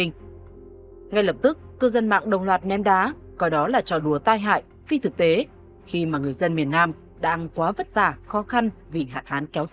ngay lập tức cư dân mạng đồng loạt ném đá coi đó là trò đùa tai hại phi thực tế khi mà người dân miền nam đang quá vất vả khó khăn vì hạn hán kéo dài